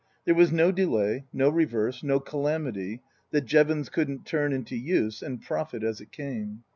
There was no delay, no reverse, no calamity that Jevons couldn't turn into use and profit as it came.